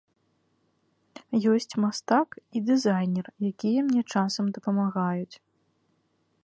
Ёсць мастак і дызайнер, якія мне часам дапамагаюць.